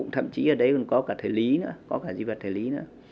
thậm chí ở đấy còn có cả di vật thời lý nữa